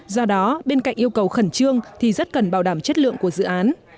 do đó bên cạnh yêu cầu khẩn trương thì rất cần bảo đảm chất lượng của dự án